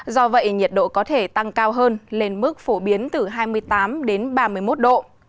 do vậy nhiệt độ có thể tăng cao hơn lên mức phổ biến từ hai mươi tám đến ba mươi một độ